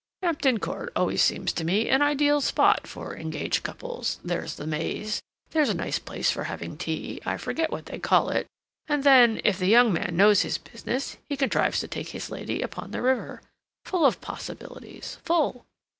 "Hampton Court always seems to me an ideal spot for engaged couples. There's the Maze, there's a nice place for having tea—I forget what they call it—and then, if the young man knows his business he contrives to take his lady upon the river. Full of possibilities—full.